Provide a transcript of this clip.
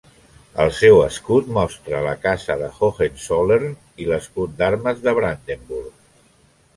El seu escut mostra la Casa de Hohenzollern i l'escut d'armes de Brandenburg.